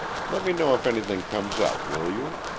Let me know if anything comes up, will you?"